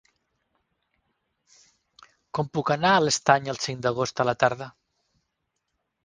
Com puc anar a l'Estany el cinc d'agost a la tarda?